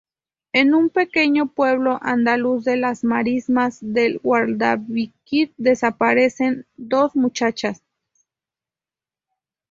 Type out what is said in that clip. En un pequeño pueblo andaluz de las marismas del Guadalquivir desaparecen dos muchachas.